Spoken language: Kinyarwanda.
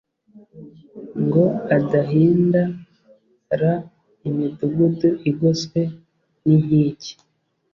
Ngo adahind ra imidugudu igoswe n inkike